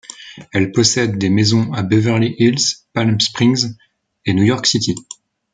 Elle possède des maisons à Beverly Hills, Palm Springs et New York City.